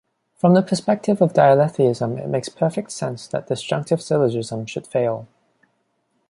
From the perspective of dialetheism, it makes perfect sense that disjunctive syllogism should fail.